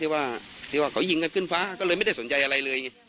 ว่าที่ว่าเขายิงกันขึ้นฟ้าก็เลยไม่ได้สนใจอะไรเลย